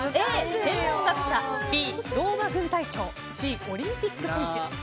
Ａ、天文学者Ｂ、ローマ軍隊長Ｃ、オリンピック選手。